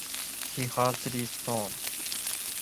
He has three sons.